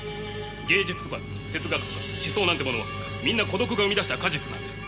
芸術とか哲学とか思想なんてものはみんな孤独が生み出した果実なんです。